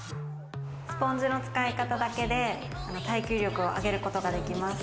スポンジの使い方だけで、耐久力を上げることができます。